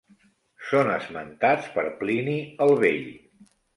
Són esmentats per Plini el vell.